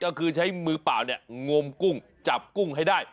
ก็คือใช้มือเปล่าเนี่ยงมกุ้งจับกุ้งให้ได้